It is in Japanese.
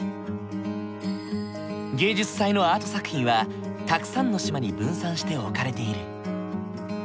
芸術祭のアート作品はたくさんの島に分散して置かれている。